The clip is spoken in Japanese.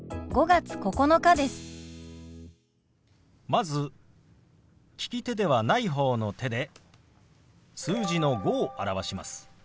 まず利き手ではない方の手で数字の「５」を表します。